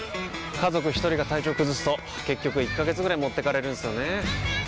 家族一人が体調崩すと結局１ヶ月ぐらい持ってかれるんすよねー。